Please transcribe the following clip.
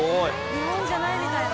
日本じゃないみたいな。